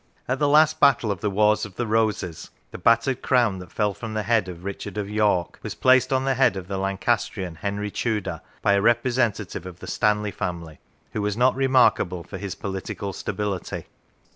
70 Till the Time of Leland At the last battle of the Wars of the Roses the battered crown that fell from the head of Richard of York was placed on the head of the Lancastrian Henry Tudor by a representative of the Stanley family who was not remarkable for his political stability.